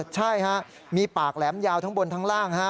ใช่ฮะมีปากแหลมยาวทั้งบนทั้งล่าง